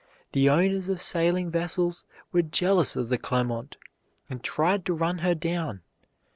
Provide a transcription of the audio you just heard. The owners of sailing vessels were jealous of the Clermont, and tried to run her down.